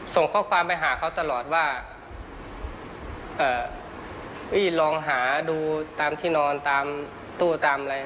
ส่งข้อความไปหาเขาตลอดว่าลองหาดูตามที่นอนตามตู้ตามอะไร